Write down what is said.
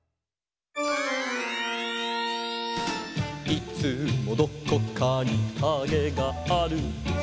「いつもどこかにカゲがある」